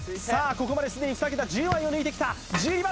ここまですでに二桁１０枚を抜いてきた１２番